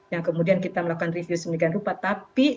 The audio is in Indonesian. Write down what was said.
yang kemudian kita melakukan review semula dengan rupa tapi